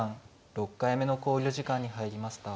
６回目の考慮時間に入りました。